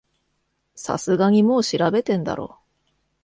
さすがにもう調べてんだろ